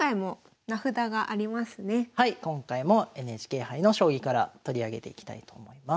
今回もＮＨＫ杯の将棋から取り上げていきたいと思います。